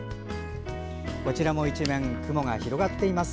こちらも一面雲が広がっています。